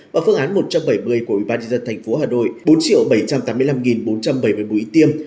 và phương án một trăm bảy mươi của ủy ban nhân dân thành phố hà nội bốn bảy trăm tám mươi năm bốn trăm bảy mươi mũi tiêm